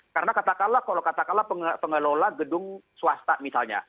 karena katakanlah kalau katakanlah pengelola gedung swasta misalnya